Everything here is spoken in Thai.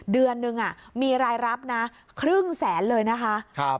เดือนนึงมีรายรับนะครึ่งแสนเลยนะคะ